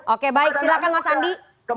oke baik silahkan mas andi